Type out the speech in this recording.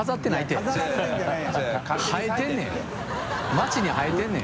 街に生えてんねん。